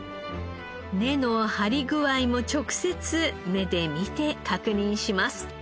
根の張り具合も直接目で見て確認します。